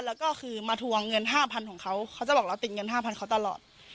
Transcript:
แล้วก็คือมาทวงเงินห้าพันธุ์ของเขาเขาจะบอกเราติดเงินห้าพันธุ์เขาตลอด